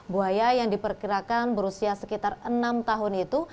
buaya yang diperkirakan berusia sekitar enam tahun itu